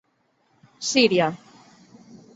Síria.